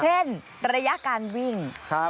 เช่นระยะการวิ่ง